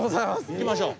行きましょう！